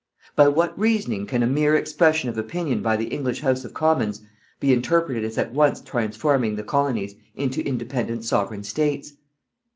By what reasoning can a mere expression of opinion by the English House of Commons be interpreted as at once transforming the Colonies into independent Sovereign States?